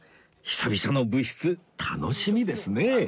久々の部室楽しみですね